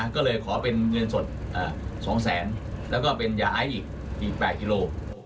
ก็เลยขอเป็นเงินสด๒แสนแล้วก็เป็นยาไอซ์อีก๘กิโล